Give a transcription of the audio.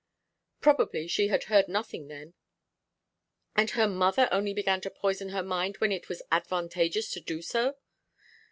'Probably she had heard nothing then.' 'And her mother only began to poison her mind when it was advantageous to do so?